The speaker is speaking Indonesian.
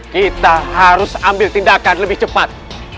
kita harus ambil tindakan lebih cepat